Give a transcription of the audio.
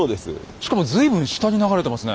しかも随分下に流れてますね。